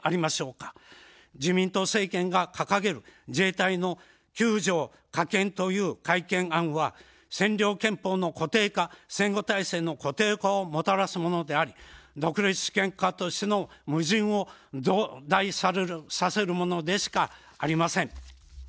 自民党政権が掲げる自衛隊の９条加憲という改憲案は占領憲法の固定化、戦後体制の固定化をもたらすものであり独立主権国家としての矛盾を増大させるものでしかありえません。